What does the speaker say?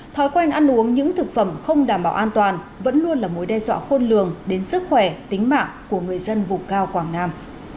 thói quen ăn uống những thực phẩm không đảm bảo an toàn vẫn luôn là mối đe dọa khôn lường đến sức khỏe tính mạng của người dân vùng cao quảng nam